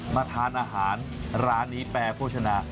มาทานอาหารร้านนี้แปรโภชนา